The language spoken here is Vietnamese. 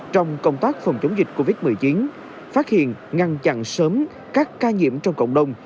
trong công tác phòng chống dịch covid một mươi chín phát hiện ngăn chặn sớm các ca nhiễm trong cộng đồng